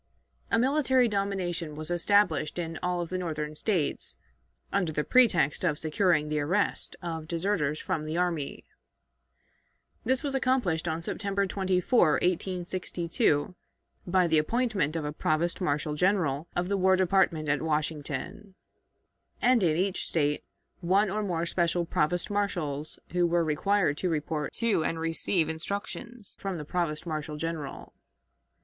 A military domination was established in all of the Northern States, under the pretext of securing the arrest of deserters from the army. This was accomplished on September 24, 1862, by the appointment of a Provost Marshal General of the War Department at Washington, and in each State one or more special provost marshals, who were required to report to and receive instructions from the Provost Marshal General.